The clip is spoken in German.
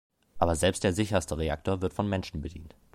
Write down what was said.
Aber selbst der sicherste Reaktor wird von Menschen bedient.